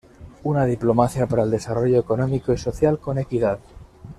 Una diplomacia para el desarrollo económico y social con equidad.